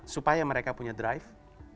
supaya mereka punya drive